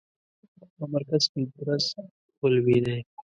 په مرکز کې درز ولوېدی.